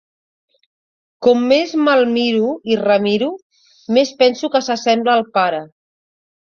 Com més me'l miro i remiro més penso que s'assembla al pare.